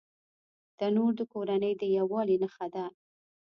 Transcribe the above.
تنور د کورنۍ د یووالي نښه ده